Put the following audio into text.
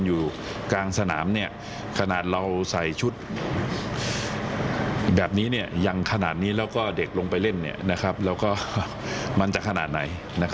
ยังขนาดนี้แล้วก็เด็กลงไปเล่นมันจะขนาดไหน